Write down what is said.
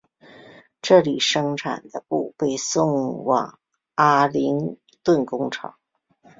这里生产的布被送往阿灵顿工厂。